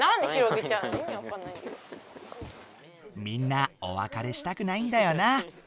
みんなおわかれしたくないんだよな。